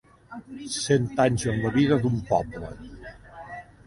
Cent anys en la vida d'un poble.